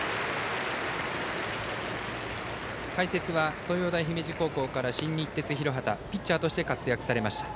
解説は東洋大姫路高校から新日鉄広畑ピッチャーとして活躍されました。